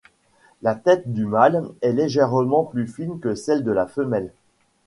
La tête du mâle est légèrement plus fine que celle de la femelle.